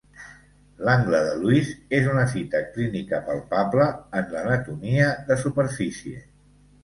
L'angle de Louis és una fita clínica palpable en l'anatomia de superfície.